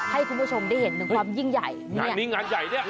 ให้คุณผู้ชมได้เห็นถึงความยิ่งใหญ่งานนี้งานใหญ่เนี่ย